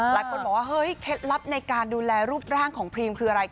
หลายคนบอกว่าเฮ้ยเคล็ดลับในการดูแลรูปร่างของพรีมคืออะไร